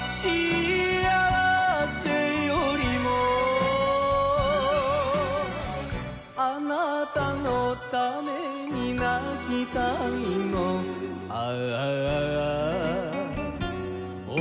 倖せよりもあなたのために泣きたいのああ